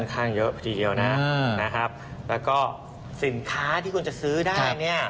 ข้างเยอะทีเดียวนะนะครับแล้วก็สินค้าที่คุณจะซื้อได้เนี่ย